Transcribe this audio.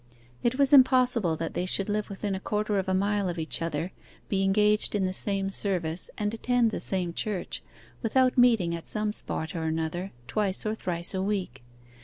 It was impossible that they should live within a quarter of a mile of each other, be engaged in the same service, and attend the same church, without meeting at some spot or another, twice or thrice a week.